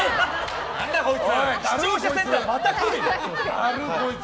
視聴者センター、また来るよ。